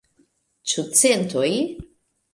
Ĉu centoj?